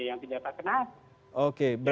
ada yang tidak pakai masker